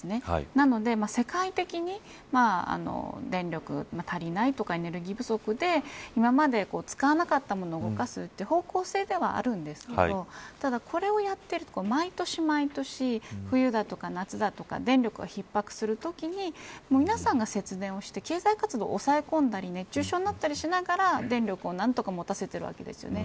なので世界的に電力が足りないとかエネルギー不足で今まで使わなかったものを動かすという方向性ではあるんですけどただ、これをやっていると毎年毎年冬だとか夏だとか電力が逼迫するときに皆さんが節電をして経済活動を抑え込んだり熱中症になったりしながら電力を何とかもたせているわけですよね。